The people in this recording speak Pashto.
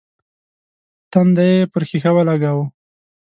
تندی يې پر ښيښه ولګاوه.